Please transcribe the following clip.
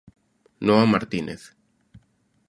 Noa Martínez.